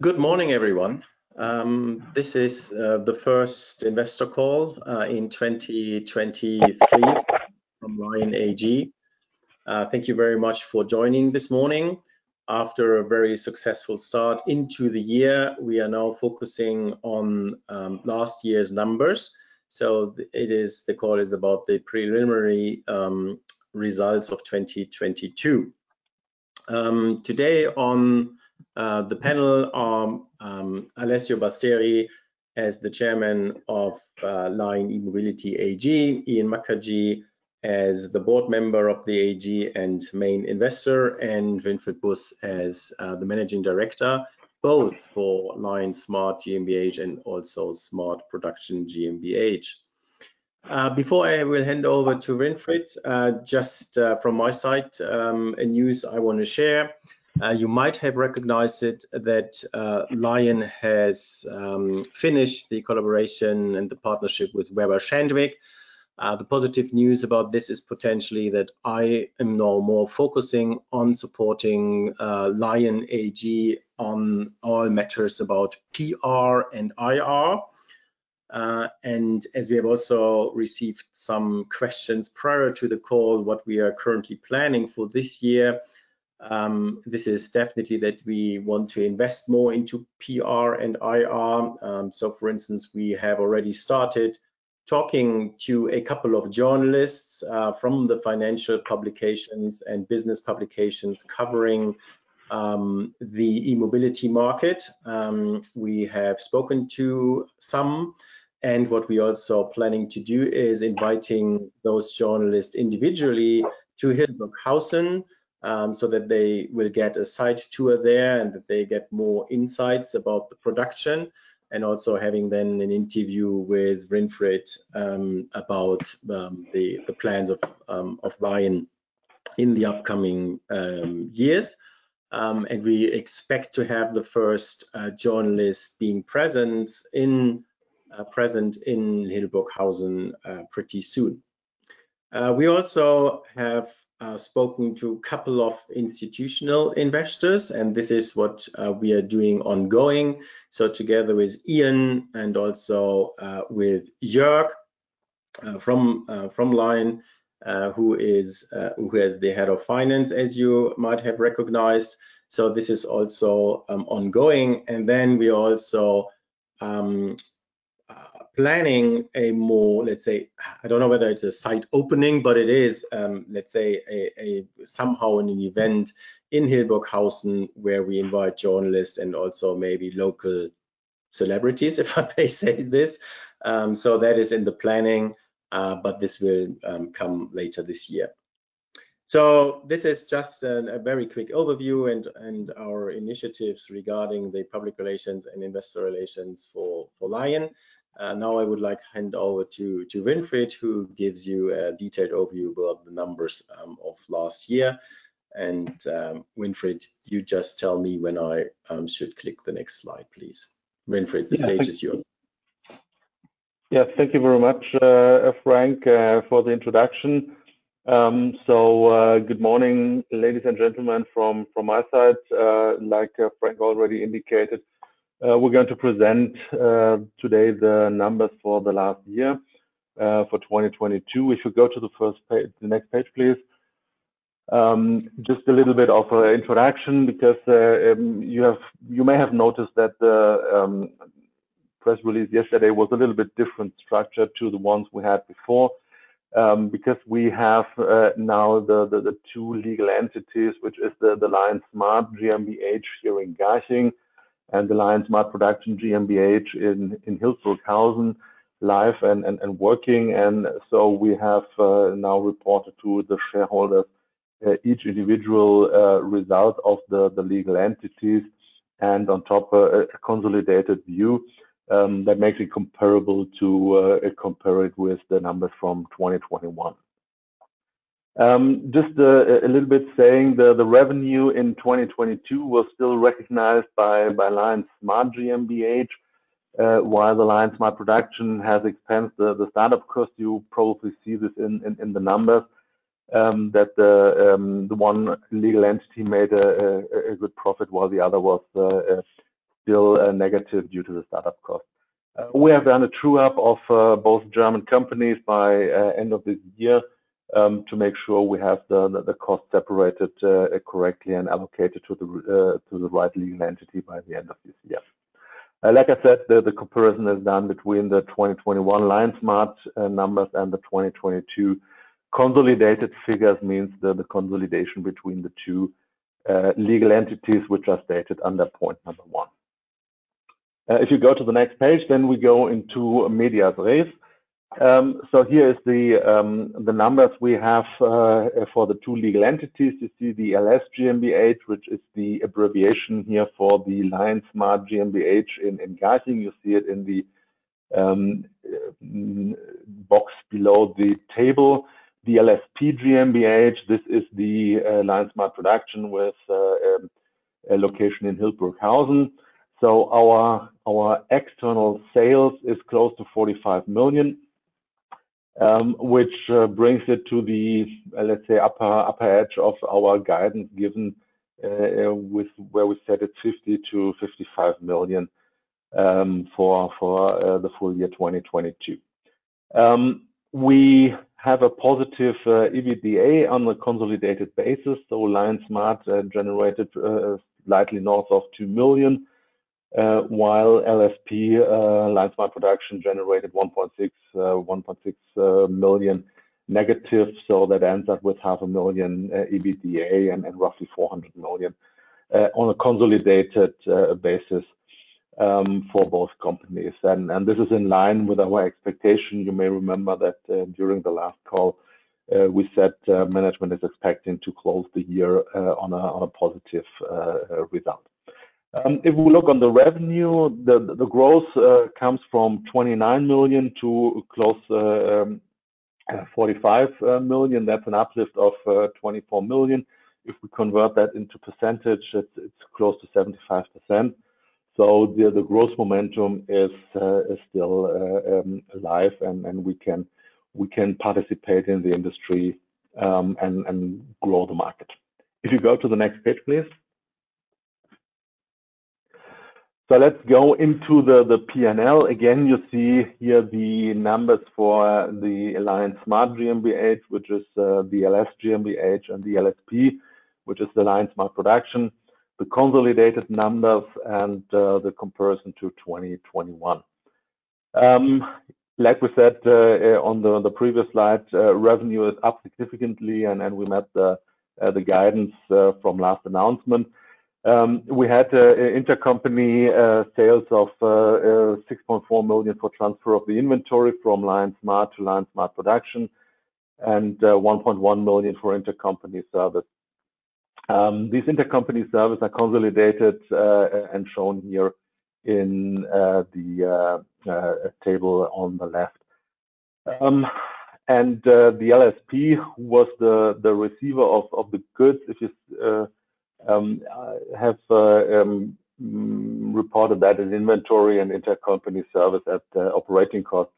Good morning, everyone. This is the first investor call in 2023 from LION AG. Thank you very much for joining this morning. After a very successful start into the year, we are now focusing on last year's numbers. The call is about the preliminary results of 2022. Today on the panel are Alessio Basteri as the chairman of LION E-Mobility AG, Ian Mukherjee as the board member of the AG and main investor, and Winfried Buss as the managing director, both for LION Smart GmbH LION LION Smart Production GmbH. Before I will hand over to Winfried, just from my side, a news I wanna share. You might have recognized it, that LION has finished the collaboration and the partnership with Weber Shandwick. The positive news about this is potentially that I am now more focusing on supporting LION AG on all matters about PR and IR. As we have also received some questions prior to the call what we are currently planning for this year, this is definitely that we want to invest more into PR and IR. For instance, we have already started talking to a couple of journalists from the financial publications and business publications covering the e-mobility market. We have spoken to some. What we also are planning to do is inviting those journalists individually to Hildburghausen, so that they will get a site tour there, and that they get more insights about the production and also having then an interview with Winfried about the plans of LION in the upcoming years. We expect to have the first journalist present in Hildburghausen pretty soon. We also have spoken to a couple of institutional investors. This is what we are doing ongoing, so together with Ian and also with Jörg from LION, who is the head of finance, as you might have recognized. This is also ongoing. We also planning a more, let's say... I don't know whether it's a site opening, but it is, let's say a somehow an event in Hildburghausen where we invite journalists and also maybe local celebrities, if I may say this. That is in the planning, but this will come later this year. This is just a very quick overview and our initiatives regarding the public relations and investor relations for LION. Now I would like hand over to Winfried, who gives you a detailed overview of the numbers of last year. Winfried, you just tell me when I should click the next slide, please. Winfried, the stage is yours. Yeah, thank you. Yeah, thank you very much, Frank, for the introduction. Good morning, ladies and gentlemen, from my side. Like Frank already indicated, we're going to present today the numbers for the last year, for 2022. We should go to the next page, please. Just a little bit of introduction because you have, you may have noticed that the press release yesterday was a little bit different structure to the ones we had before, because we have now the two legal entities, which is the LION Smart GmbH here in Garching, and LION LION Smart Production GmbH in Hildburghausen live and working. We have now reported to the shareholders each individual result of the legal entities and on top a consolidated view that makes it comparable to compare it with the numbers from 2021. Just a little bit saying the revenue in 2022 was still recognized by LION Smart GmbH while the LION Smart Production has expensed the startup cost. You probably see this in the numbers that the one legal entity made a good profit while the other was still negative due to the startup cost. We have done a true-up of both German companies by end of this year to make sure we have the costs separated correctly and allocated to the right legal entity by the end of this year. Like I said, the comparison is done between the 2021 LION Smart numbers and the 2022 consolidated figures, means the consolidation between the two legal entities, which are stated under point 1. If you go to the next page, then we go into medias res. Here is the numbers we have for the two legal entities. You see the LS GmbH, which is the abbreviation here for the LION Smart GmbH in Garching. You see it in the box below the table. The LSP GmbH, this is the LION Smart Production with a location in Hildburghausen. Our external sales is close to 45 million, which brings it to the upper edge of our guidance given with where we said it's 50 million-55 million for the full year 2022. We have a positive EBITDA on the consolidated basis, LION Smart generated slightly north of 2 million, while LSP LION Smart Production generated 1.6 million negative. That ends up with half a million EUR EBITDA and roughly 400 million on a consolidated basis for both companies. This is in line with our expectation. You may remember that during the last call, we said management is expecting to close the year on a positive result. If we look on the revenue, the growth comes from 29 million to close to 45 million. That's an uplift of 24 million. If we convert that into percentage, it's close to 75%. The growth momentum is still alive, and we can participate in the industry and grow the market. If you go to the next page, please. Let's go into the P&L. Again, you see here the numbers for the LION Smart GmbH, which is the LS GmbH, and the LSP, which is the LION Smart Production, the consolidated numbers, and the comparison to 2021. Like we said, on the previous slide, revenue is up significantly, and we met the guidance from last announcement. We had intercompany sales of 6.4 million for transfer of the inventory from LION Smart to LION Smart Production and 1.1 million for intercompany service. These intercompany service are consolidated and shown here in the table on the left. LSP was the receiver of the goods, which is reported that as inventory and intercompany service at operating cost.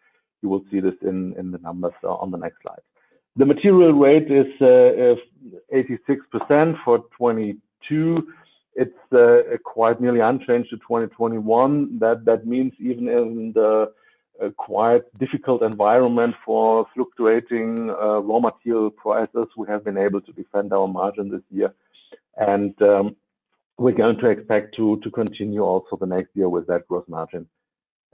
You will see this in the numbers on the next slide. The material rate is 86% for 2022. It's quite nearly unchanged to 2021. That means even in the quite difficult environment for fluctuating raw material prices, we have been able to defend our margin this year. We're going to expect to continue also the next year with that growth margin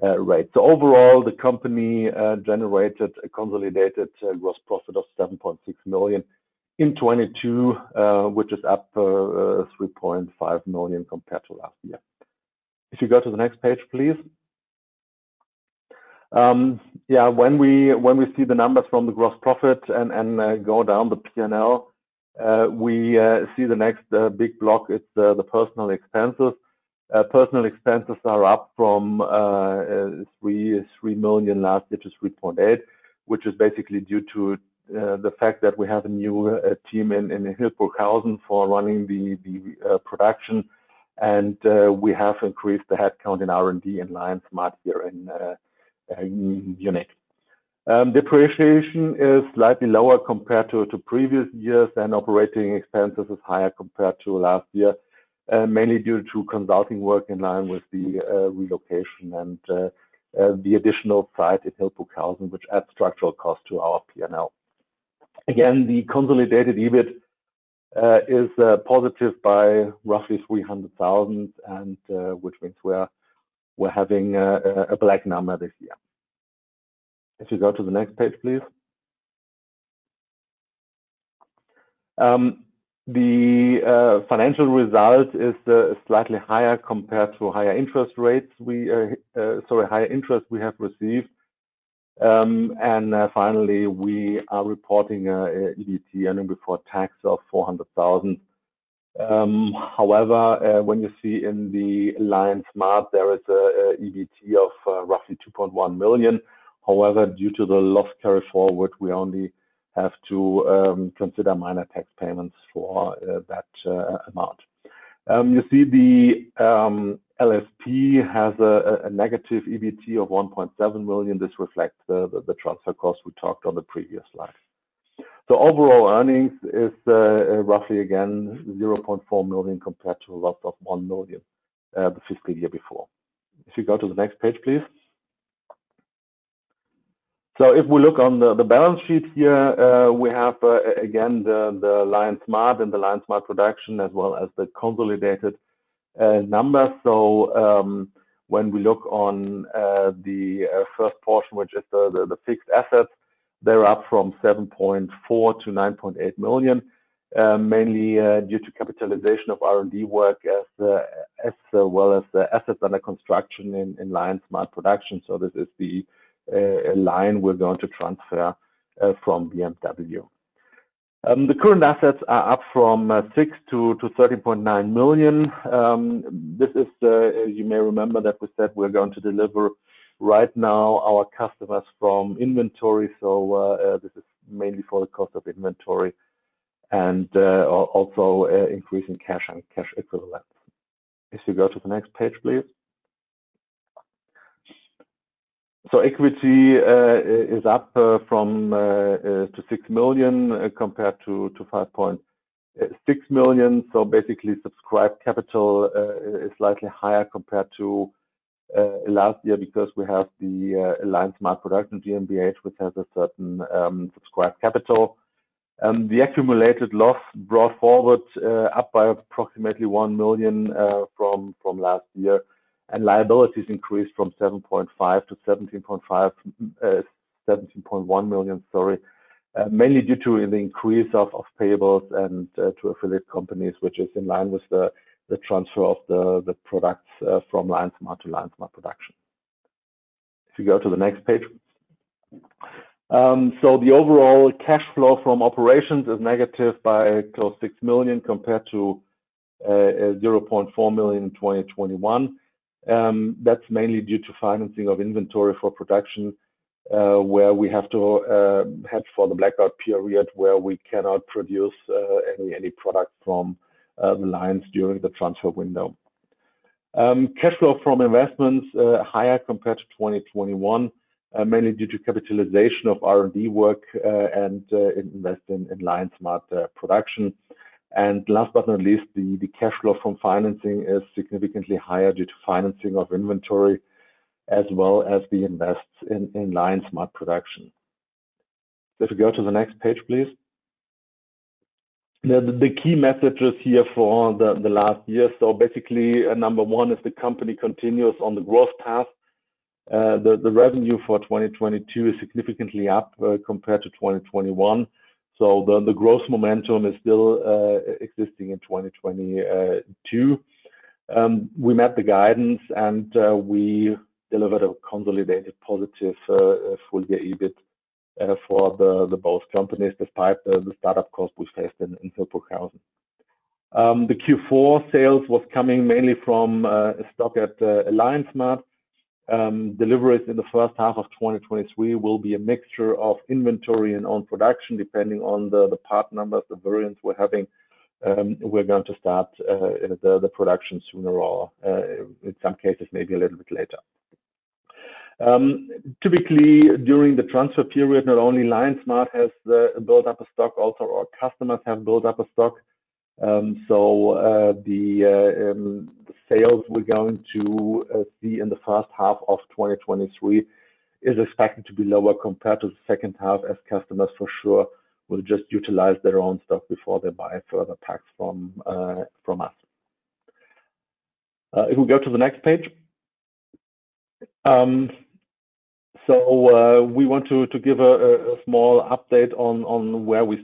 rate. Overall, the company generated a consolidated gross profit of 7.6 million in 2022, which is up 3.5 million compared to last year. You go to the next page, please. When we see the numbers from the gross profit and go down the P&L, we see the next big block, it's the personal expenses. Personal expenses are up from 3 million last year to 3.8 million, which is basically due to the fact that we have a new team in Hildburghausen for running the production. We have increased the headcount in R&D in LION Smart here in Munich. Depreciation is slightly lower compared to previous years, and operating expenses is higher compared to last year, mainly due to consulting work in line with the relocation and the additional site at Hildburghausen, which adds structural cost to our P&L. Again, the consolidated EBIT is positive by roughly 300,000, which means we're having a black number this year. If you go to the next page, please. The financial result is slightly higher compared to higher interest rates we have received. Finally, we are reporting EBT, earnings before tax, of 400,000. However, when you see in the LION Smart, there is a EBT of roughly 2.1 million. However, due to the loss carryforward, we only have to consider minor tax payments for that amount. You see the LSP has a negative EBT of 1.7 million. This reflects the transfer costs we talked on the previous slide. Overall earnings is roughly again 0.4 million compared to a loss of 1 million, the fiscal year before. If you go to the next page, please. If we look on the balance sheet here, we have again the LION Smart and the LION Smart Production as well as the consolidated numbers. When we look on the first portion, which is the fixed assets, they're up from 7.4 million-9.8 million, mainly due to capitalization of R&D work as well as the assets under construction in LION Smart Production. This is the line we're going to transfer from BMW. The current assets are up from 6 million-13.9 million. This is the, as you may remember, that we said we're going to deliver right now our customers from inventory. This is mainly for the cost of inventory and also increase in cash and cash equivalents. If you go to the next page, please. Equity is up from 6 million compared to 5.6 million. Basically subscribed capital is slightly higher compared to last year because we have LION LION Smart Production GmbH, which has a certain subscribed capital. The accumulated loss brought forward up by approximately 1 million from last year. Liabilities increased from 7.5-17.5, 17.1 million, sorry, mainly due to the increase of payables and to affiliate companies, which is in line with the transfer of the products from LION Smart to LION Smart Production. If you go to the next page. The overall cash flow from operations is negative by close to 6 million compared to 0.4 million in 2021. That's mainly due to financing of inventory for production, where we have to hedge for the blackout period where we cannot produce any product from the lines during the transfer window. Cash flow from investments, higher compared to 2021, mainly due to capitalization of R&D work, investment in LION Smart Production. Last but not least, the cash flow from financing is significantly higher due to financing of inventory as well as the invests in LION Smart Production. If you go to the next page, please. The key messages here for the last year. Basically, number one is the company continues on the growth path. The revenue for 2022 is significantly up compared to 2021. The growth momentum is still existing in 2022. We met the guidance, and we delivered a consolidated positive full year EBIT for the both companies, despite the startup costs we faced in Hildburghausen. The Q4 sales was coming mainly from stock at LION Smart. Deliveries in the first half of 2023 will be a mixture of inventory and own production, depending on the part numbers, the variants we're having. We're going to start the production sooner or in some cases maybe a little bit later. Typically during the transfer period, not only LION Smart has built up a stock, also our customers have built up a stock. The sales we're going to see in the first half of 2023 is expected to be lower compared to the second half as customers for sure will just utilize their own stock before they buy further packs from us. If we go to the next page. We want to give a small update on where we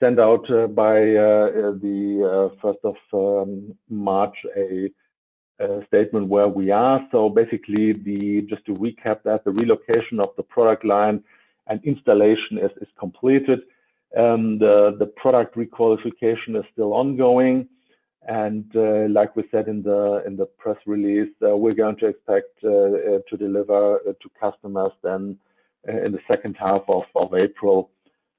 stand. We have sent out by the first of March a statement where we are. Basically just to recap that, the relocation of the product line and installation is completed. The product requalification is still ongoing. Like we said in the press release, we're going to expect to deliver to customers then in the second half of April,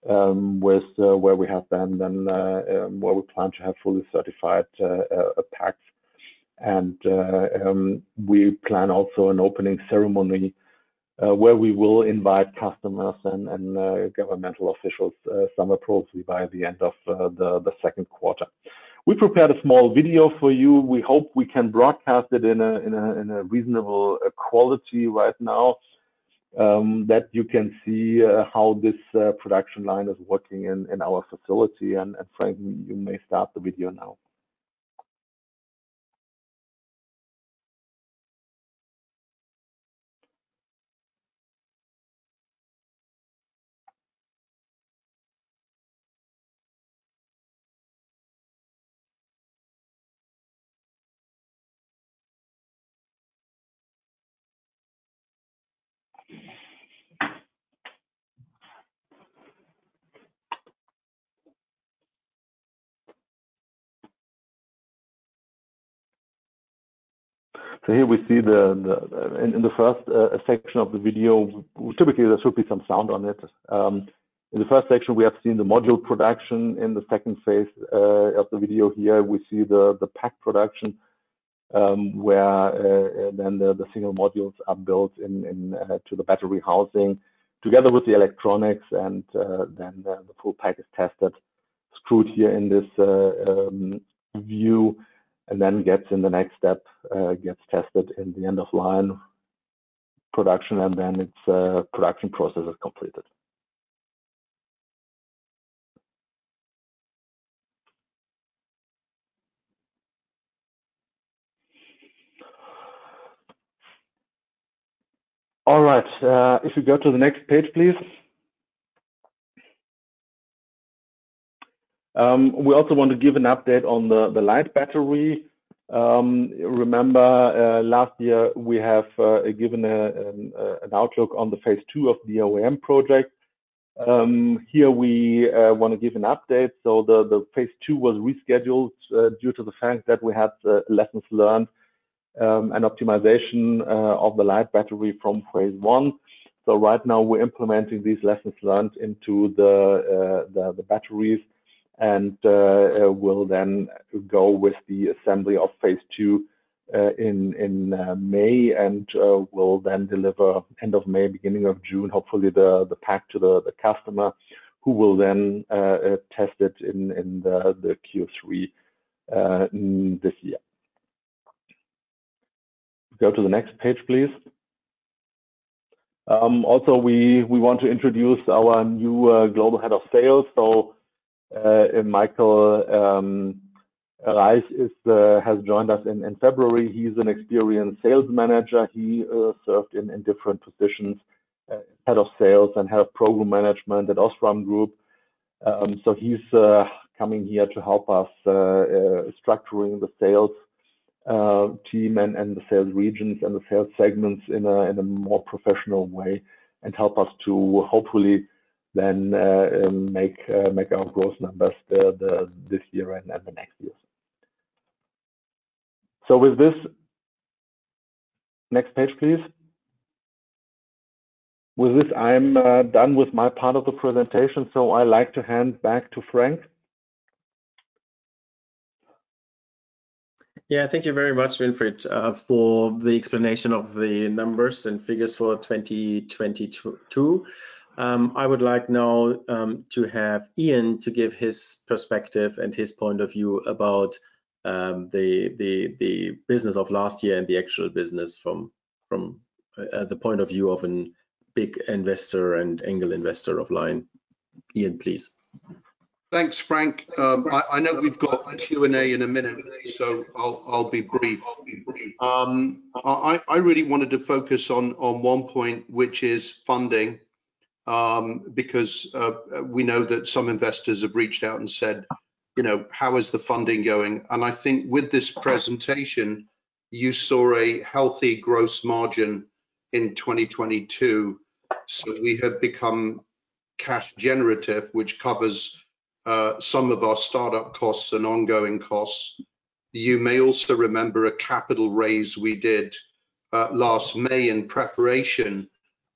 with where we have them, then where we plan to have fully certified packs. We plan also an opening ceremony where we will invite customers and governmental officials sometime probably by the end of the second quarter. We prepared a small video for you. We hope we can broadcast it in a reasonable quality right now that you can see how this production line is working in our facility. Frank, you may start the video now. Here we see the. In the first section of the video, typically there should be some sound on it. In the first section we have seen the module production. In the second phase of the video here, we see the pack production, where then the single modules are built into the battery housing together with the electronics, and then the full pack is tested, screwed here in this view, and then gets in the next step gets tested in the end-of-line production, and then its production process is completed. All right. If you go to the next page, please. We also want to give an update on the LIGHT Battery. Remember, last year we have given an outlook on the phase two of the OEM project. Here we want to give an update. The phase two was rescheduled due to the fact that we had lessons learned and optimization of the LIGHT Battery from phase one. Right now we're implementing these lessons learned into the batteries. And we'll then go with the assembly of phase two in May, and we'll then deliver end of May, beginning of June, hopefully, the pack to the customer who will then test it in Q3 in this year. Go to the next page, please. Also we want to introduce our new global head of sales. And Michael Reis is has joined us in February. He's an experienced sales manager. He served in different positions, head of sales and head of program management at OSRAM. He's coming here to help us structuring the sales team and the sales regions and the sales segments in a more professional way and help us to hopefully then make our gross numbers this year and the next years. With this. Next page, please. With this, I'm done with my part of the presentation, I'd like to hand back to Frank. Yeah. Thank you very much, Winfried, for the explanation of the numbers and figures for 2022. I would like now to have Ian to give his perspective and his point of view about the business of last year and the actual business from the point of view of an big investor and angel investor of LION. Ian, please. Thanks, Frank. I know we've got a Q&A in a minute, I'll be brief. I really wanted to focus on one point, which is funding, because we know that some investors have reached out and said, you know, "How is the funding going?" I think with this presentation, you saw a healthy gross margin in 2022. We have become cash generative, which covers some of our startup costs and ongoing costs. You may also remember a capital raise we did last May in preparation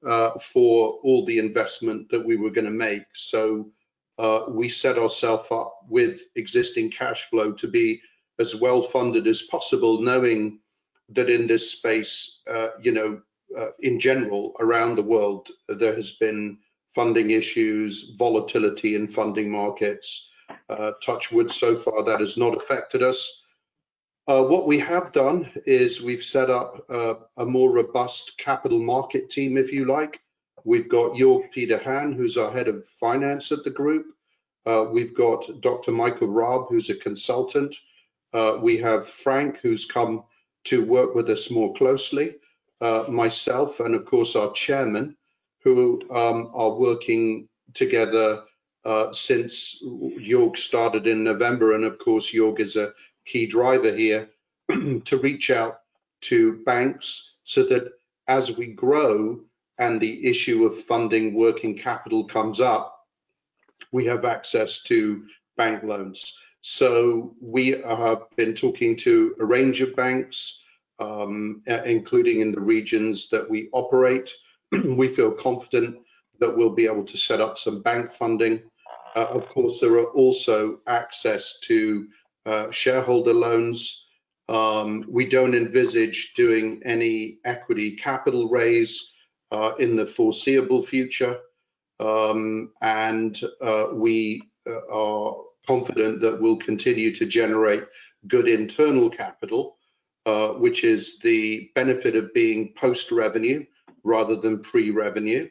for all the investment that we were gonna make. We set ourself up with existing cash flow to be as well-funded as possible, knowing that in this space, you know, in general around the world, there has been funding issues, volatility in funding markets. Touch wood, so far, that has not affected us. What we have done is we've set up a more robust capital market team, if you like. We've got Jörg-Peter Hahn, who's our head of finance at the group. We've got Dr. Michael Robb, who's a consultant. We have Frank, who's come to work with us more closely, myself and of course our Chairman, who are working together since Jörg started in November. Of course, Jörg is a key driver here to reach out to banks so that as we grow and the issue of funding working capital comes up, we have access to bank loans. We have been talking to a range of banks, including in the regions that we operate. We feel confident that we'll be able to set up some bank funding. Of course, there are also access to shareholder loans. We don't envisage doing any equity capital raise in the foreseeable future. We are confident that we'll continue to generate good internal capital, which is the benefit of being post-revenue rather than pre-revenue.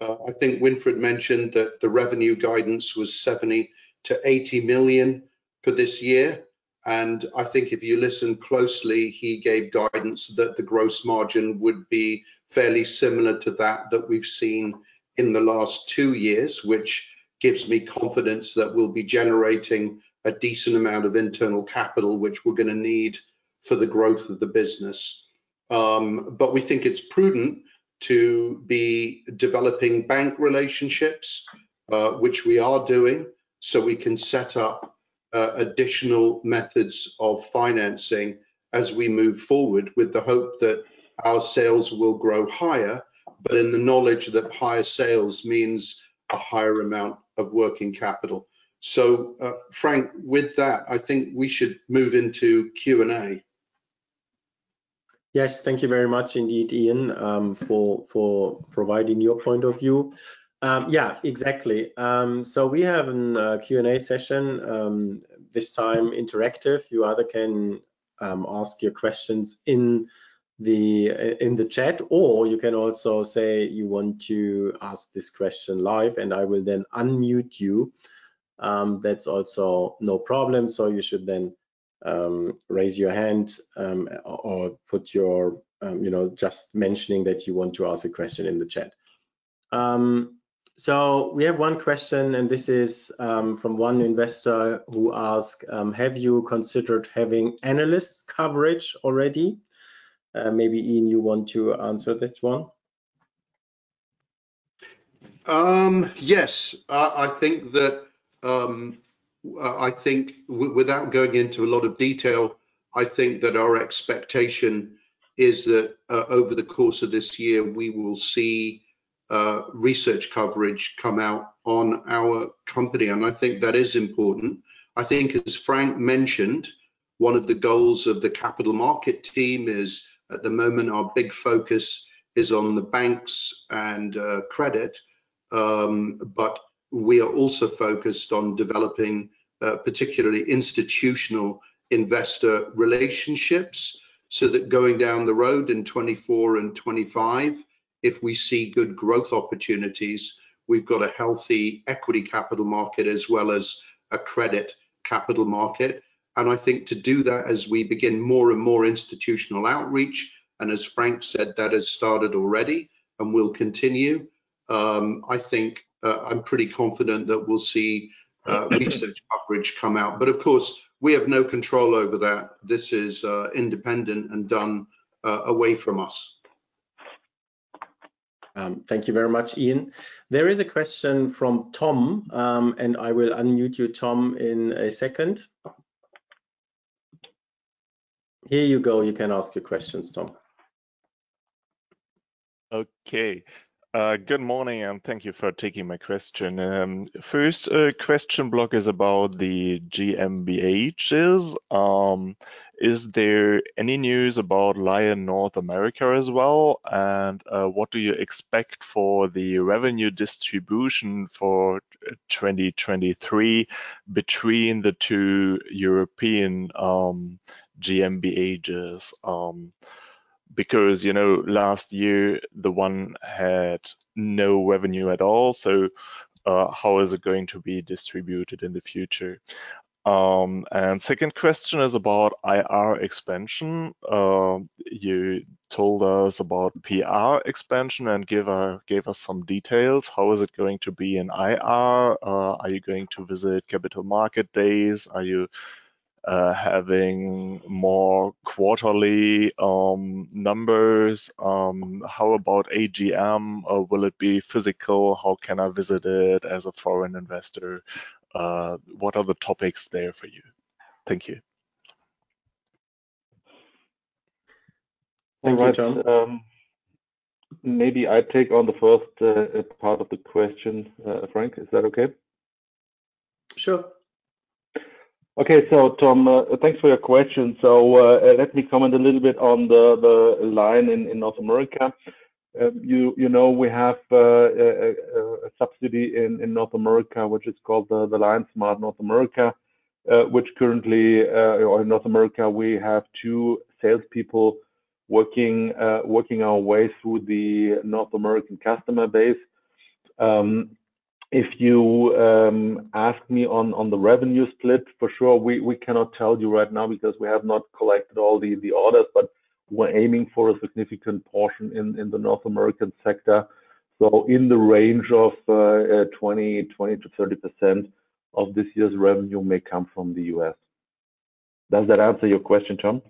I think Winfried mentioned that the revenue guidance was 70 million to 80 million for this year, and I think if you listen closely, he gave guidance that the gross margin would be fairly similar to that that we've seen in the last two years, which gives me confidence that we'll be generating a decent amount of internal capital, which we're gonna need for the growth of the business. We think it's prudent to be developing bank relationships, which we are doing, so we can set up additional methods of financing as we move forward with the hope that our sales will grow higher, but in the knowledge that higher sales means a higher amount of working capital. Frank, with that, I think we should move into Q&A. Yes. Thank you very much indeed, Ian, for providing your point of view. Yeah, exactly. We have an Q&A session this time interactive. You either can ask your questions in the chat, or you can also say you want to ask this question live, and I will then unmute you. That's also no problem. You should then raise your hand, or put your, you know, just mentioning that you want to ask a question in the chat. We have one question, and this is from one investor who ask, "Have you considered having analyst coverage already?" Maybe, Ian, you want to answer that one. Yes. I think that, I think without going into a lot of detail, I think that our expectation is that over the course of this year, we will see research coverage come out on our company, and I think that is important. I think as Frank mentioned, one of the goals of the capital market team is, at the moment, our big focus is on the banks and credit. We are also focused on developing particularly institutional investor relationships, so that going down the road in 2024 and 2025, if we see good growth opportunities, we've got a healthy equity capital market as well as a credit capital market. I think to do that, as we begin more and more institutional outreach, and as Frank said, that has started already and will continue, I think, I'm pretty confident that we'll see research coverage come out. Of course, we have no control over that. This is independent and done away from us. Thank you very much, Ian. There is a question from Tom. I will unmute you, Tom, in a second. Here you go. You can ask your questions, Tom. Okay. Good morning, and thank you for taking my question. First, question block is about the GmbHs. Is there any news about LION North America as well? What do you expect for the revenue distribution for 2023 between the two European GmbHs? You know, last year, the one had no revenue at all, how is it going to be distributed in the future? Second question is about IR expansion. You told us about PR expansion and gave us some details. How is it going to be in IR? Are you going to visit capital market days? Are you having more quarterly numbers? How about AGM? Will it be physical? How can I visit it as a foreign investor? What are the topics there for you? Thank you. Thank you, Tom. Maybe I take on the first part of the question, Frank, is that okay? Sure. Okay. Tom, thanks for your question. Let me comment a little bit on the LION in North America. You know, we have a subsidiary in North America, which is called the LION Smart North America. In North America, we have two salespeople working our way through the North American customer base. If you ask me on the revenue split, for sure, we cannot tell you right now because we have not collected all the orders, but we're aiming for a significant portion in the North American sector. In the range of 20-30% of this year's revenue may come from the US. Does that answer your question, Tom?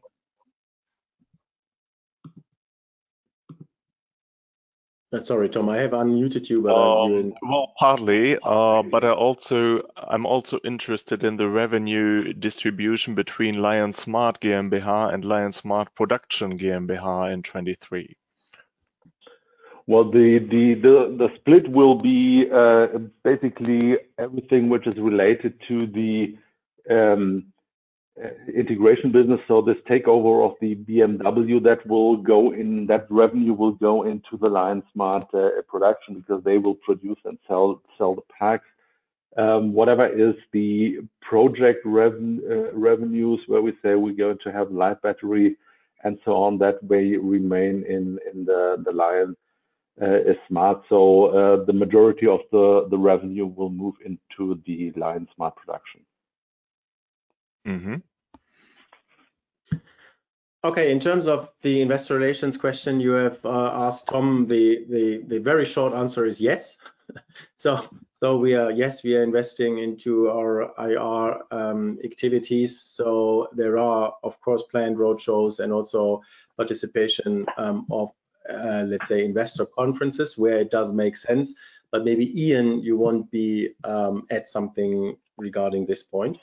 Sorry, Tom. I have unmuted you, but I'll mute you. Well, partly. I'm also interested in the revenue distribution between LION Smart GmbH LION LION Smart Production GmbH in 23. Well, the split will be basically everything which is related to the Integration Business. This takeover of the BMW that revenue will go into the LION Smart Production because they will produce and sell the packs. Whatever is the project revenues, where we say we're going to have LIGHT Battery and so on, that will remain in the LION Smart. The majority of the revenue will move into the LION Smart Production. Mm-hmm. Okay. In terms of the investor relations question you have asked, Tom, the very short answer is yes. Yes, we are investing into our IR activities. There are, of course, planned road shows and also participation of, let's say, investor conferences where it does make sense. Maybe, Ian, you want to add something regarding this point?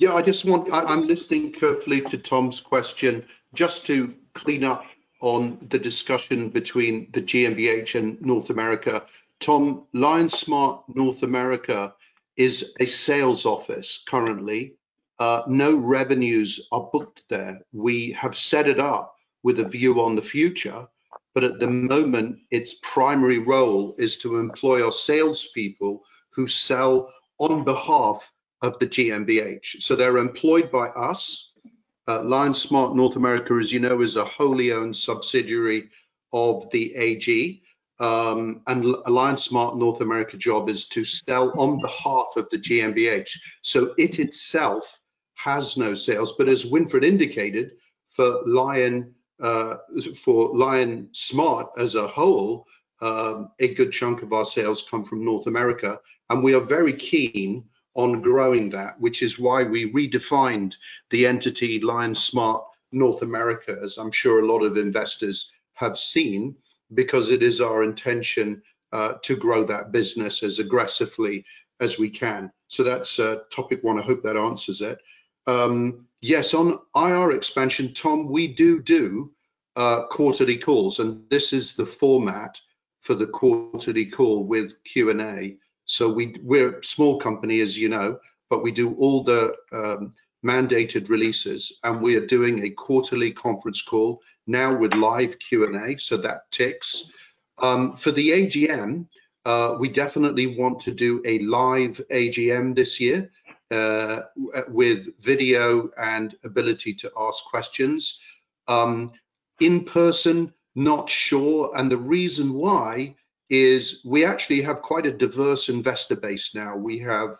Yeah, I'm listening carefully to Tom's question just to clean up on the discussion between the GmbH in North America. Tom, LION Smart North America is a sales office currently. No revenues are booked there. We have set it up with a view on the future, at the moment, its primary role is to employ our salespeople who sell on behalf of the GmbH. They're employed by us. LION Smart North America, as you know, is a wholly owned subsidiary of the AG. LION Smart North America job is to sell on behalf of the GmbH. It itself has no sales, but as Winfried indicated, for LION, for LION Smart as a whole, a good chunk of our sales come from North America, and we are very keen on growing that, which is why we redefined the entity LION Smart North America, as I'm sure a lot of investors have seen, because it is our intention to grow that business as aggressively as we can. That's topic one. I hope that answers it. Yes, on IR expansion, Tom, we do quarterly calls, and this is the format for the quarterly call with Q&A. We're a small company, as you know, but we do all the mandated releases, and we are doing a quarterly conference call now with live Q&A, so that ticks. For the AGM, we definitely want to do a live AGM this year, with video and ability to ask questions. In person, not sure, and the reason why is we actually have quite a diverse investor base now. We have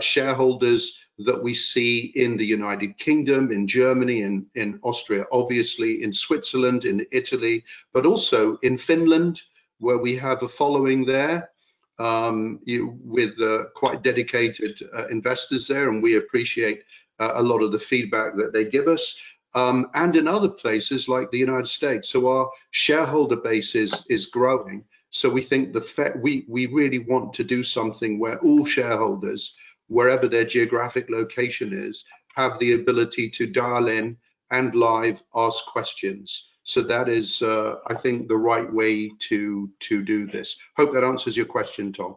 shareholders that we see in the United Kingdom, in Germany, in Austria, obviously in Switzerland, in Italy, but also in Finland, where we have a following there, with quite dedicated investors there, and we appreciate a lot of the feedback that they give us, and in other places like the United States. Our shareholder base is growing, we think we really want to do something where all shareholders, wherever their geographic location is, have the ability to dial in and live ask questions. That is, I think the right way to do this. Hope that answers your question, Tom.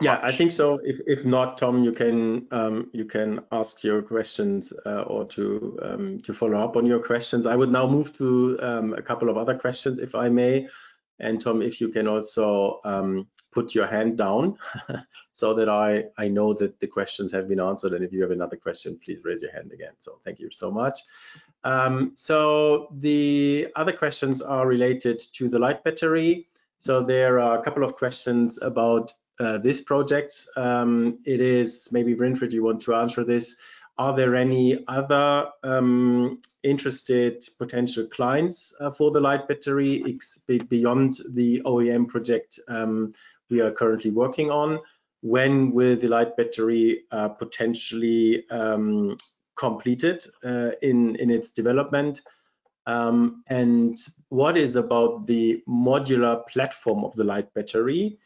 Yeah, I think so. If not, Tom, you can ask your questions or to follow up on your questions. I would now move to a couple of other questions, if I may. Tom, if you can also put your hand down so that I know that the questions have been answered, and if you have another question, please raise your hand again. Thank you so much. The other questions are related to the LIGHT Battery. There are a couple of questions about this project. Maybe Winfried, you want to answer this. Are there any other interested potential clients for the LIGHT Battery beyond the OEM project we are currently working on? When will the LIGHT Battery potentially completed in its development? What is about the modular platform of the LIGHT Battery?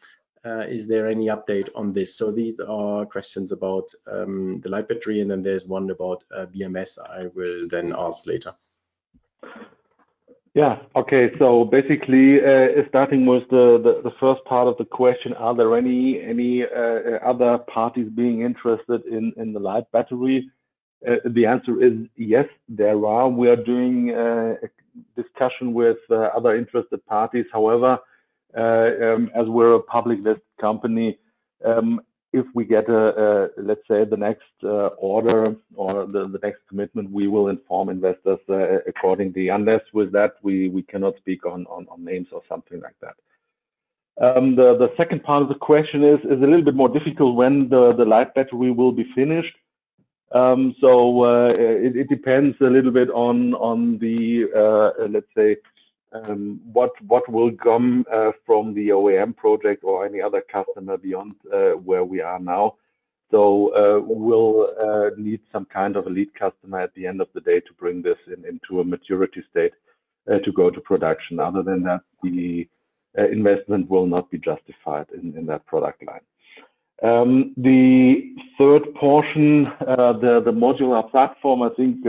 Is there any update on this? These are questions about, the LIGHT Battery, and then there's one about, BMS I will then ask later. Yeah. Okay. Basically, starting with the first part of the question, are there any other parties being interested in the LIGHT Battery? The answer is yes, there are. We are doing a discussion with other interested parties. However, as we're a public listed company, if we get a, let's say, the next order or the next commitment, we will inform investors accordingly. Unless with that, we cannot speak on names or something like that. The second part of the question is a little bit more difficult, when the LIGHT Battery will be finished. It depends a little bit on the, let's say, what will come from the OEM project or any other customer beyond where we are now. We'll need some kind of a lead customer at the end of the day to bring this into a maturity state to go to production. Other than that, the investment will not be justified in that product line. The third portion, the modular platform, I think,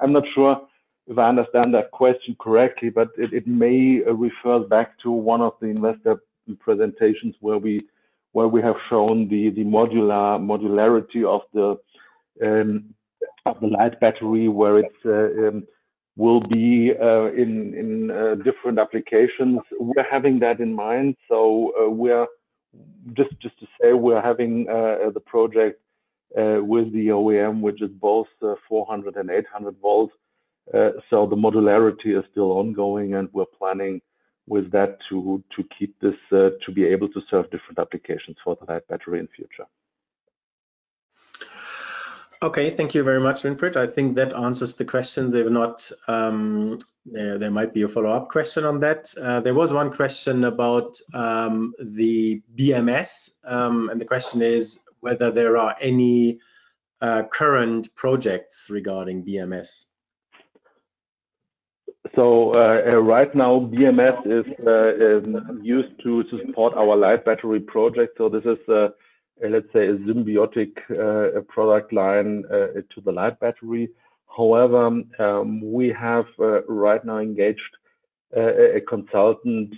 I'm not sure if I understand that question correctly, but it may refer back to one of the investor presentations where we have shown the modularity of the LIGHT Battery, where it will be in different applications. We're having that in mind, so, we're just to say we're having the project with the OEM, which is both 400 and 800 volts. The modularity is still ongoing, and we're planning with that to keep this to be able to serve different applications for the LIGHT Battery in future. Okay. Thank you very much, Winfried. I think that answers the question. If not, there might be a follow-up question on that. There was one question about the BMS, and the question is whether there are any current projects regarding BMS. Right now, BMS is used to support our LIGHT Battery project. This is, let's say, a symbiotic product line to the LIGHT Battery. However, we have right now engaged a consultant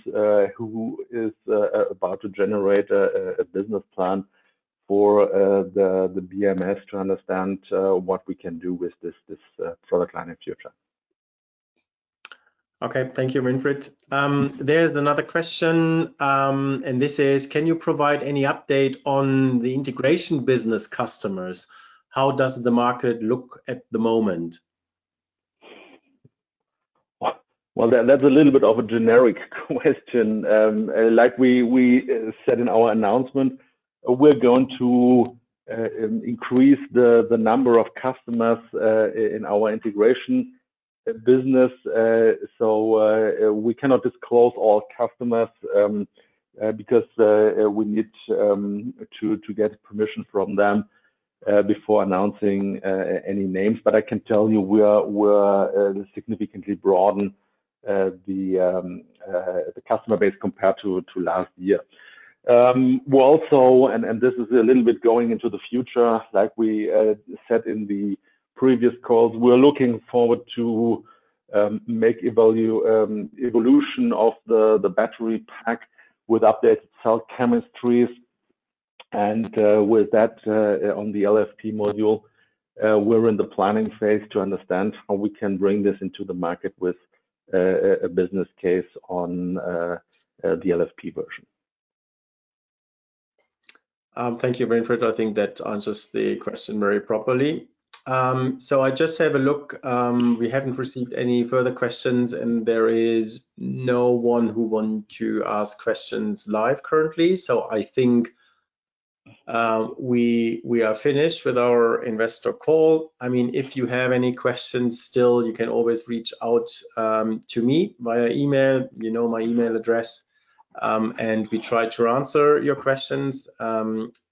who is about to generate a business plan for the BMS to understand what we can do with this product line in future. Okay. Thank you, Winfried. There's another question, and this is, can you provide any update on the Integration Business customers? How does the market look at the moment? Well, that's a little bit of a generic question. like we said in our announcement, we're going to increase the number of customers in our Integration Business. We cannot disclose all customers because we need to get permission from them before announcing any names. I can tell you we're significantly broaden the customer base compared to last year. We're also, and this is a little bit going into the future, like we said in the previous calls, we're looking forward to make evolution of the battery pack with updated cell chemistries, and with that on the LFP Module. We're in the planning phase to understand how we can bring this into the market with a business case on the LFP version. Thank you, Winfried. I think that answers the question very properly. I just have a look. We haven't received any further questions, and there is no one who want to ask questions live currently. I think we are finished with our investor call. I mean, if you have any questions still, you can always reach out to me via email. You know my email address, and we try to answer your questions.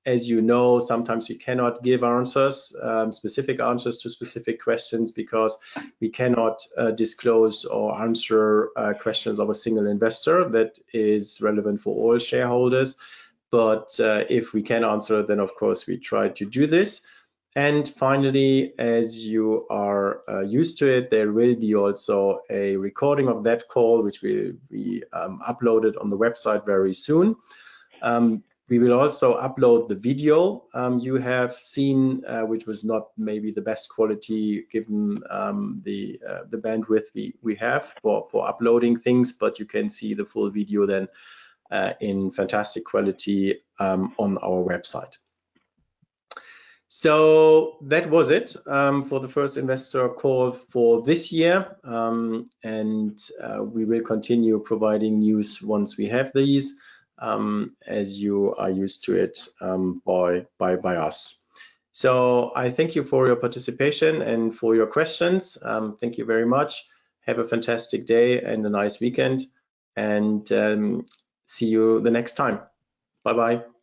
As you know, sometimes we cannot give answers, specific answers to specific questions because we cannot disclose or answer questions of a single investor that is relevant for all shareholders. If we can answer, then of course we try to do this. Finally, as you are used to it, there will be also a recording of that call, which will be uploaded on the website very soon. We will also upload the video you have seen, which was not maybe the best quality given the bandwidth we have for uploading things. You can see the full video then in fantastic quality on our website. That was it for the first investor call for this year. We will continue providing news once we have these, as you are used to it, by us. I thank you for your participation and for your questions. Thank you very much. Have a fantastic day and a nice weekend. See you the next time. Bye-bye.